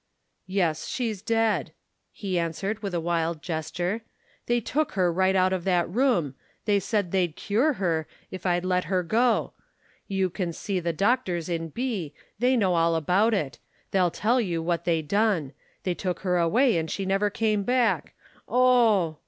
"Yes, she's dead!" he answered with a wild gesture, "they took her right out of that room they said they'd cure her, if I'd let FACTS ABOUT THE KALLIKAK FAMILY 91 her go. You can see the doctors in B , they know all about it they'll tell you what they done they took her away, and she never come back Oh!"